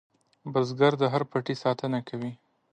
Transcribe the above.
بزګر د هر پټي ساتنه کوي